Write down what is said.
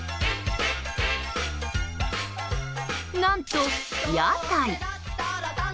何と、屋台。